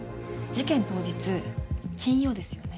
事件当日金曜ですよね。